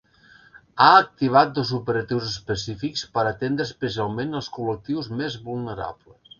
Ha activat dos operatius específics per atendre especialment els col·lectius més vulnerables.